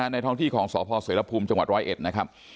ในท้องที่ของสพเสรภูมิจังหวัด๑๐๑นะครับ